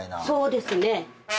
そうですね。